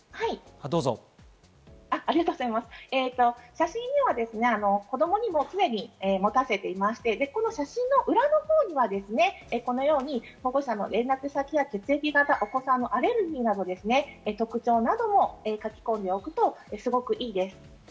写真には子供にも常に持たせていまして、この写真の裏のほうにはこのように保護者の連絡先や血液型、お子さんのアレルギーなどの特徴なども書き込んでおくとすごくいいです。